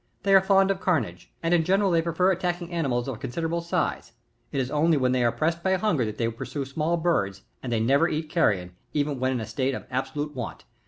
They are fond of carnage, and in general . they prefer attacking animals of con siderable size : it is only when they are pressed by hunger that they pursue small birds, and they never eat carrion, even when in a state of absolute want.